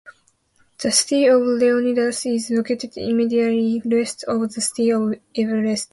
The city of Leonidas is located immediately west of the city of Eveleth.